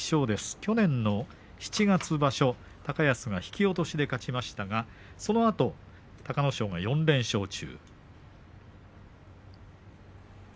去年の七月場所、高安が引き落としで勝ちましたがそのあと隆の勝が４連勝中です。